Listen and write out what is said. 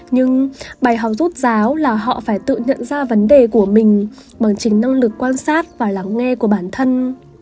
nhưng bài học rút giáo là họ phải tự nhận ra vấn đề của mình bằng chính năng lực quan sát và lắng nghe của bản thân